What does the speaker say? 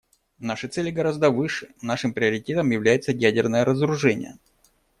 Наши цели гораздо выше, нашим приоритетом является ядерное разоружение.